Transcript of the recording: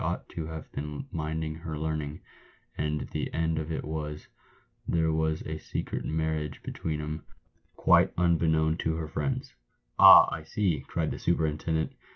ought to have been minding her learning, and the end of it was, there was a secret mar riage between 'em, quite unbeknown to her friends." "Ah, I see!" cried the superintendent.